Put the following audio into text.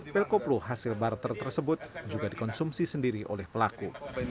pelkoplo hasil barter tersebut juga dikonsumsi sendiri oleh pelaku